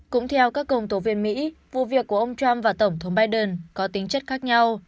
cũng theo các công tố viên mỹ vụ việc của ông trump và tổng thống biden có tính chất khác nhau